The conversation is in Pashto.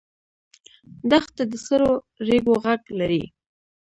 دښته د سرو ریګو غږ لري.